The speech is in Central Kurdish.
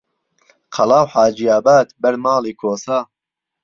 قەڵا و حاجیاباد بەر ماڵی کۆسە